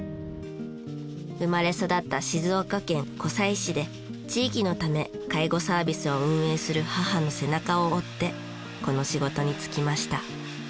生まれ育った静岡県湖西市で地域のため介護サービスを運営する母の背中を追ってこの仕事に就きました。